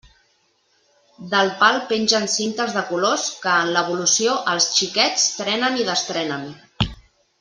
Del pal pengen cintes de colors que en l'evolució els xiquets trenen i destrenen.